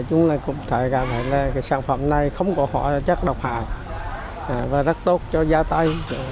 chúng ta cũng thể gặp lại sản phẩm này không có hóa chất độc hào và rất tốt cho giá tay